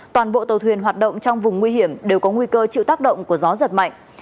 toàn bộ tàu thuyền hoạt động trong vùng nguy hiểm đều có nguy cơ chịu tác động của gió giật mạnh